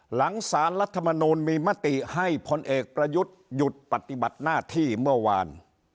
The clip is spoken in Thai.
หลังสารรัฐมนูลมีมติให้พลเอกประยุทธ์หยุดปฏิบัติหน้าที่เมื่อวาน